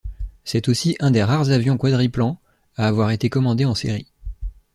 C'est aussi un des rares avions quadriplans à avoir été commandé en série.